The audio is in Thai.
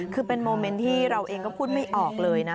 คือเป็นโมเมนต์ที่เราเองก็พูดไม่ออกเลยนะ